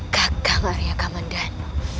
kakang arya kamandanu